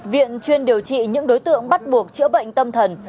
viện chuyên điều trị những đối tượng bắt buộc chữa bệnh tâm thần